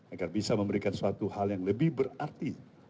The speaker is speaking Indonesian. agar bisa memberikan suatu hal yang lebih berarti